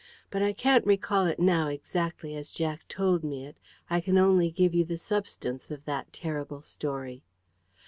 But I can't recall it now exactly as Jack told me it. I can only give you the substance of that terrible story.